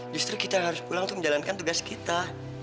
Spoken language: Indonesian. justru kita harus pulang untuk menjalankan tugas kita